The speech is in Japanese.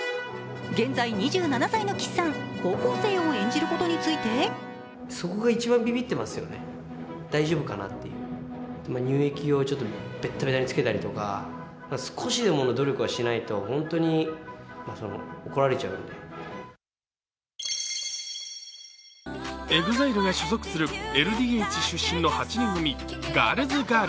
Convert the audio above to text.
現在２７歳の岸さん、高校生を演じることについてＥＸＩＬＥが所属するＬＤＨ出身の８人組、Ｇｉｒｌｓ２。